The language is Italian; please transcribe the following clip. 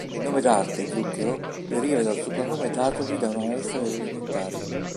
Il nome d'arte, Zucchero, deriva dal soprannome datogli da una maestra delle elementari.